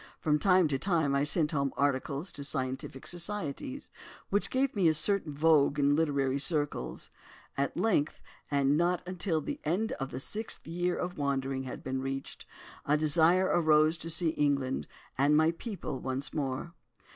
From time to time I sent home articles to scientific societies which gave me a certain vogue in literary circles. At length, and not until the end of the sixth year of wandering had been reached, a desire arose to see England and my people once more.